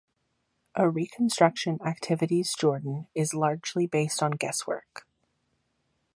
A reconstruction activities Jordan is largely based on guesswork.